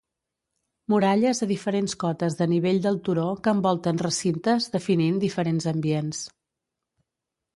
Muralles a diferents cotes de nivell del turó que envolten recintes definint diferents ambients.